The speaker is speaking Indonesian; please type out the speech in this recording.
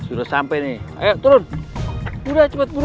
udah sampe nih ayo turun udah cepet turun